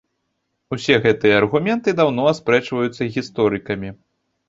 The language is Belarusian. Усе гэтыя аргументы даўно аспрэчваюцца гісторыкамі.